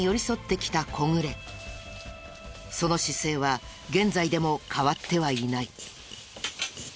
その姿勢は現在でも変わってはいない。